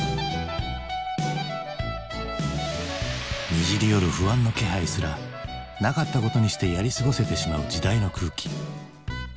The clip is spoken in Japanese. にじりよる不安の気配すらなかったことにしてやり過ごせてしまう時代の空気。